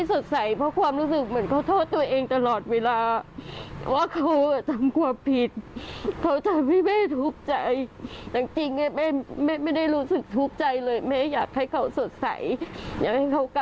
โอเคค่ะเขาเป็นคนที่เก็บความรู้สึก